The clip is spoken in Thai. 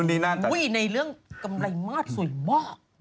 นี่ในเรื่องกำไรมาสสวยมาก